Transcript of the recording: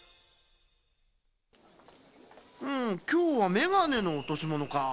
うんきょうはメガネのおとしものか。